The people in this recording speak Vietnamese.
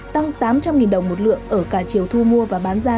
tăng tám trăm linh đồng một lượng ở cả chiều thu mua và bán ra